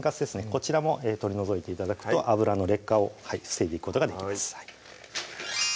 こちらも取り除いて頂くと油の劣化を防いでいくことができます